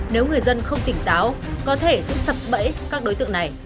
nếu người dân không tỉnh táo có thể sẽ sập bẫy các đối tượng này